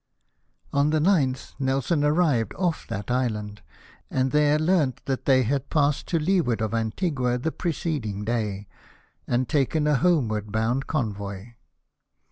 On the 9th Nelson arrived off that island, and there learnt that they had passed to leeward of Antigua the preceding day, and taken a homeward bound convoy.